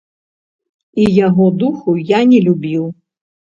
І яго духу я не любіў.